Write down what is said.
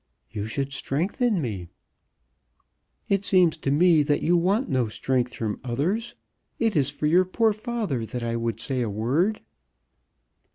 "You should strengthen me." "It seems to me that you want no strength from others. It is for your poor father that I would say a word."